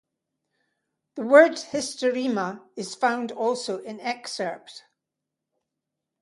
The word Hysterema is found also in Excerpt.